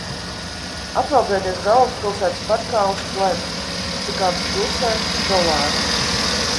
Atveldzēties galvaspilsētas parkā uz pleda. Cikādes klusē. Dolāri.